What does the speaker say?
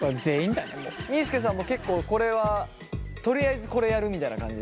みーすけさんも結構これはとりあえずこれやるみたいな感じ？